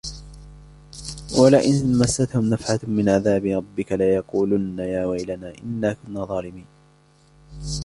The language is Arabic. وَلَئِنْ مَسَّتْهُمْ نَفْحَةٌ مِنْ عَذَابِ رَبِّكَ لَيَقُولُنَّ يَا وَيْلَنَا إِنَّا كُنَّا ظَالِمِينَ